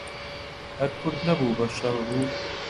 هەر کورد نەبوو بەشەر بوو